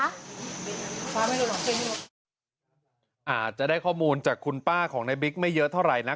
ไม่รู้หรอกไม่รู้อาจจะได้ข้อมูลจากคุณป้าของในบิ๊กไม่เยอะเท่าไรนะ